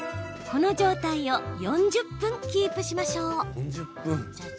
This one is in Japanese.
この状態を４０分キープしましょう。